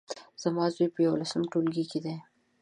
زما زوی په يولسم ټولګي کې دی